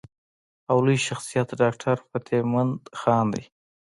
او لوئ شخصيت ډاکټر فتح مند خان دے ۔